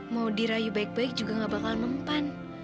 mau dirayu baik baik juga gak bakal mempan